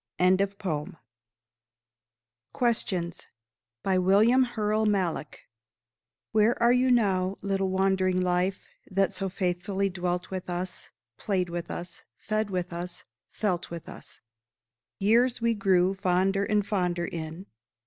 HELEN FITZGERALD SANDERS. QUESTIONS Where are you now, little wandering Life, that so faithfully dwelt with us, Played with us, fed with us, felt with us, Years we grew fonder and fonder in?